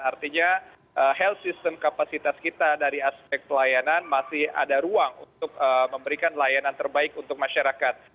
artinya health system kapasitas kita dari aspek pelayanan masih ada ruang untuk memberikan layanan terbaik untuk masyarakat